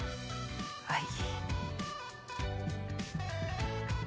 はい。